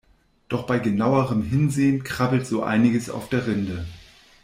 Doch bei genauerem Hinsehen krabbelt so einiges auf der Rinde.